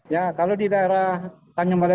ya kalau di daerah tanggung jawa